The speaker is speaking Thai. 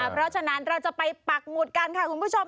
เพราะฉะนั้นเราจะไปปักหมุดกันค่ะคุณผู้ชม